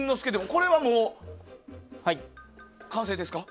これはもう、完成ですか？